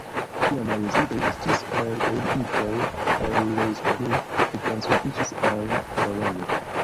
Kiam la jezuitoj estis elpelitaj el Hispanio, li translokiĝis al Bolonjo.